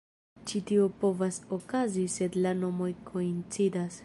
Ĉi tio povas okazi se la nomoj koincidas.